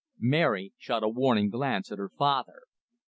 Mary shot a warning glance at her father.